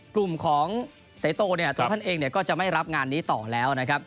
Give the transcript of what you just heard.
กุมของเศรษฐกรุงของตัวเองก็จะไม่รับงานนี้ต่อแล้วนะครับ